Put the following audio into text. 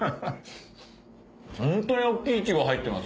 ホントに大っきいいちご入ってます。